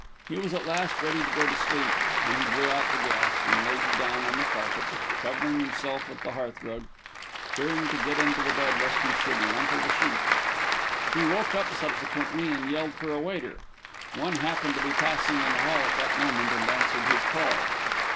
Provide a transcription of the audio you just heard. He was at last ready to go to sleep, when he blew out his gas, and laid down on the carpet, covering himself with the hearth rug, fearing to get into the bed lest he should rumple the sheets. He woke up subsequently, and yelled for a waiter. One happened to be passing in the hall at that moment, and answered his call.